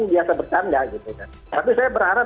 biasa bercanda gitu kan tapi saya berharap